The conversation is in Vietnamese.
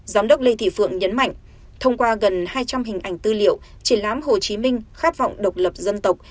giám đốc lê thị phượng nhấn mạnh thông qua gần hai trăm linh hình ảnh tư liệu triển lãm hồ chí minh khát vọng độc lập dân tộc